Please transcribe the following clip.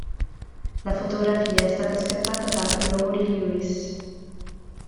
La fotografia è stata scattata da Laurie Lewis.